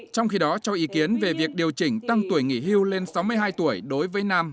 trong khi đó cho ý kiến về việc điều chỉnh tăng tuổi nghỉ hưu lên sáu mươi hai tuổi đối với nam